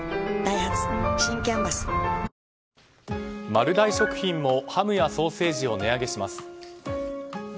丸大食品もハムやソーセージを値上げします。